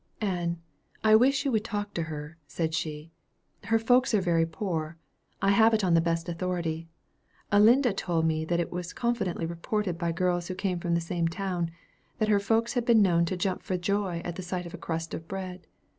"Ann, I wish you would talk to her," said she. "Her folks are very poor. I have it on the best authority. Elinda told me that it was confidently reported by girls who came from the same town, that her folks had been known to jump for joy at the sight of a crust of bread.